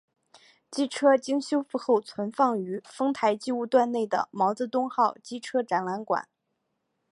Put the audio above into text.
机车经修复后存放于丰台机务段内的毛泽东号机车展览馆。